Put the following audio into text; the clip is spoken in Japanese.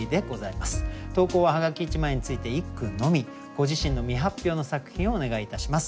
ご自身の未発表の作品をお願いいたします。